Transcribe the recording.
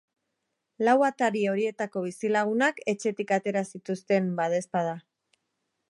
Lau atari horietako bizilagunak etxetik atera zituzten, badaezpada.